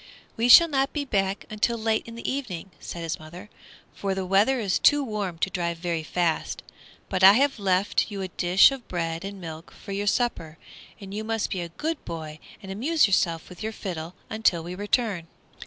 "We shall not be back till late in the evening," said his mother, "for the weather is too warm to drive very fast. But I have left you a dish of bread and milk for your supper, and you must be a good boy and amuse yourself with your fiddle until we return."